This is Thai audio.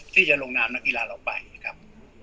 ที่จะลงนามนักกีฬาออกไปนะครับ